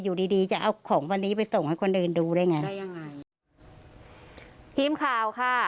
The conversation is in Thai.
อยู่ดีดีจะเอาของวันนี้ไปส่งให้คนอื่นดูได้ไงได้ยังไงทีมข่าวค่ะ